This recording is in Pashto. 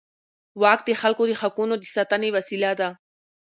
واک د خلکو د حقونو د ساتنې وسیله ده.